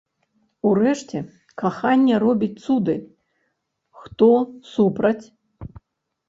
Урэшце, каханне робіць цуды, хто супраць?